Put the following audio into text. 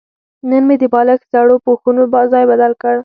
نن مې د بالښت زړو پوښونو ځای بدل کړ.